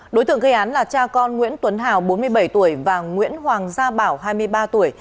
đối tượng gây án là cha con nguyễn tuấn hào bốn mươi bảy tuổi và nguyễn hoàng gia bảo hai mươi ba tuổi